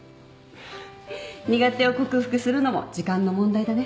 苦手を克服するのも時間の問題だね。